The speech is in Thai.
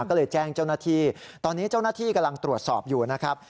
ก็เลยแจ้งเจ้าหน้าที่ตอนนี้เจ้าหน้าที่กำลังตรวจสอบอยู่นะครับ